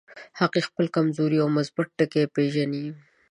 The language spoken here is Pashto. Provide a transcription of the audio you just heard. هغه خپل کمزوري او مثبت ټکي پېژني.